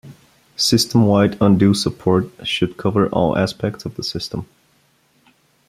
System-wide undo support should cover all aspects of the system.